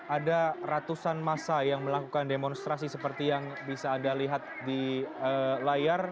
ada ratusan masa yang melakukan demonstrasi seperti yang bisa anda lihat di layar